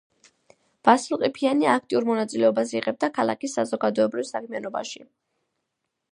ვასილ ყიფიანი აქტიურ მონაწილეობას იღებდა ქალაქის საზოგადოებრივ საქმიანობაში.